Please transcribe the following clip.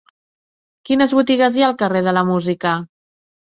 Quines botigues hi ha al carrer de la Música?